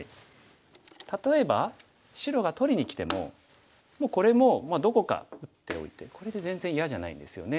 例えば白が取りにきてももうこれもどこか打っておいてこれで全然嫌じゃないんですよね。